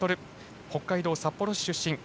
北海道札幌市出身。